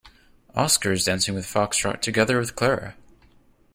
Oscar is dancing foxtrot together with Clara.